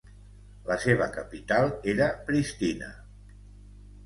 La seva capital era Pristina.